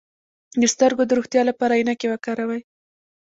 د سترګو د روغتیا لپاره عینکې وکاروئ